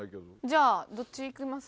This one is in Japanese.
じゃあどっちいきます？